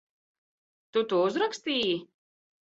Tu to uzrakstīji?